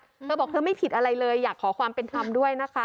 เธอบอกเธอไม่ผิดอะไรเลยอยากขอความเป็นธรรมด้วยนะคะ